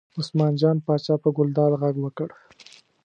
عثمان جان پاچا په ګلداد غږ وکړ.